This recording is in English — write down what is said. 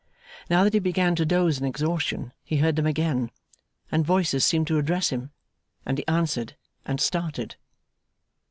Now that he began to doze in exhaustion, he heard them again; and voices seemed to address him, and he answered, and started.